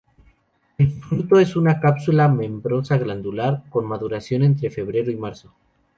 El fruto es una cápsula membranosa, glandular; con maduración entre febrero y marzo.